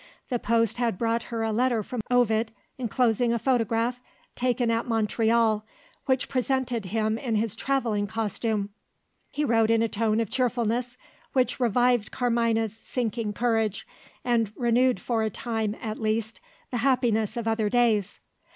The post had brought her a letter from Ovid enclosing a photograph, taken at Montreal, which presented him in his travelling costume. He wrote in a tone of cheerfulness, which revived Carmina's sinking courage, and renewed for a time at least the happiness of other days.